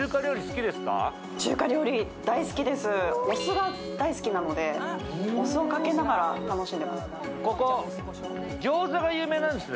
お酢が大好きなので、お酢をかけながら楽しんでいます。